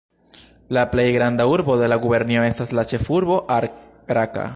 La plej granda urbo de la gubernio estas la ĉefurbo Ar-Raka.